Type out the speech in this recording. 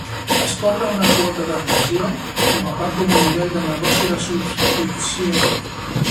Es cobra una quota d'adhesió com a part d'un model de negoci de subscripció.